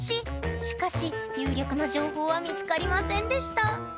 しかし有力な情報は見つかりませんでした。